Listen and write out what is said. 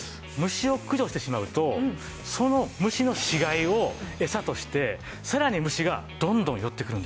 虫を駆除してしまうとその虫の死骸をエサとしてさらに虫がどんどん寄ってくるんです。